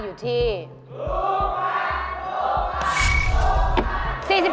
อยากตอบเลยไหม